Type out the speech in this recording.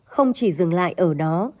không chỉ dừng lại ở đó